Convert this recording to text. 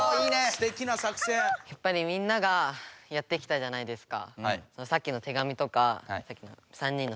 やっぱりみんながやってきたじゃないですか。